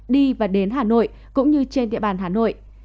đi và đến hà nội cũng như trên địa bàn hà nội